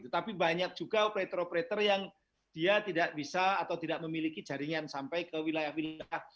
tapi banyak juga operator operator yang dia tidak bisa atau tidak memiliki jaringan sampai ke wilayah wilayah